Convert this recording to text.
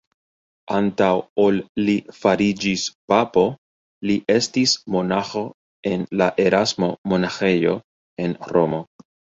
Antaŭ ol li fariĝis papo, li estis monaĥo en la Erasmo-monaĥejo en Romo.